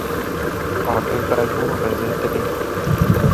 Agir ber bû rezê tirî